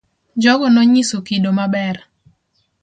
Jogo no nyiso kido ma ber.